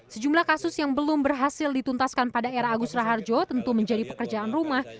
sejumlah kasus yang belum berhasil dituntaskan pada era agus raharjo tentu menjadi pekerjaan rumah